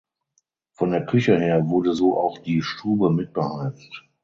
Von der Küche her wurde so auch die Stube mit beheizt.